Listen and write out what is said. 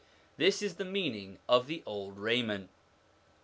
This is the meaning of the old raiment.